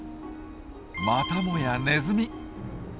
またもやネズミ。